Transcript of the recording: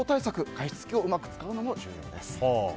加湿器をうまく使うのも重要です。